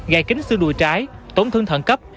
gây kính xương đùi trái tổn thương thận cấp